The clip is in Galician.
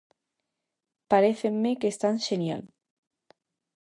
Parécenme que están xenial.